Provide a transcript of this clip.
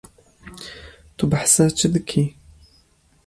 Tu behsa çi dikî?